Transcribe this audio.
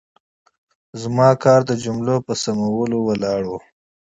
زما کار د جملو په سمولو ولاړ و.